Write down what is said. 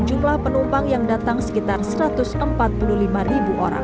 jumlah penumpang yang datang sekitar satu ratus empat puluh lima ribu orang